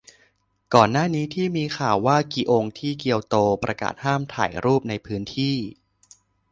ก่อนหน้านี้ที่มีข่าวว่ากิองที่เกียวโตประกาศห้ามถ่ายรูปในพื้นที่